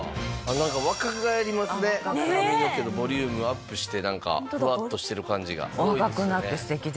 なんか若返りますね髪の毛のボリュームアップしてなんかフワッとしてる感じが。